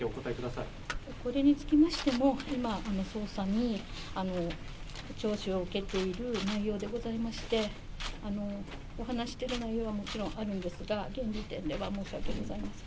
これにつきましても、今、捜査、聴取を受けている内容でございまして、お話ししている内容はもちろんあるんですが、現時点では申し訳ございません。